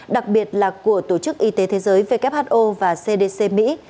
đặc biệt là của tổ chức y tế thế giới who và cdc mỹ